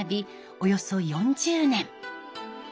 およそ４０年。